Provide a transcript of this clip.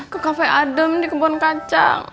ke kafe adem di kebun kacang